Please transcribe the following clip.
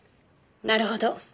なるほど。